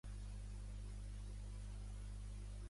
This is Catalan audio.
Els noms comuns inclouen el tell americà i el til·ler americà.